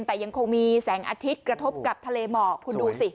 แต่ยังคงมีแสงอาทิตย์กระทบกับทะเลหมอกคุณดูสิ